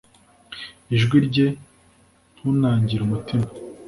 ijwi rye ntunangire umutima